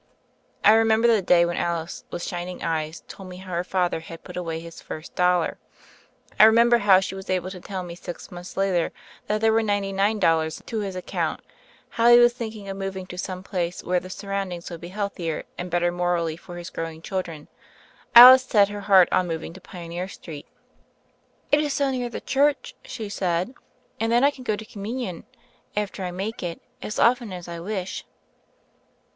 I remember the day when Alice with shining eyes told me how her father had put away his first dollar; I remember how she was able to tell me six months later that there were ninety nine dollars to his account, and how he was thinking of moving to some place where the surroundings would be healthier and bet ter morally for his growing children. Alice had set her heart on moving to Pioneer Street. "It is so near the church," she said, "and then I can go to Communion, after I make it, as often as I wish."